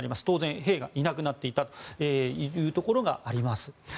当然、兵がいなくなっているということがあります。